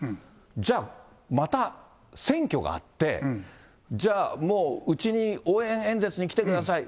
じゃあ、また選挙があって、じゃあもう、うちに応援演説に来てください。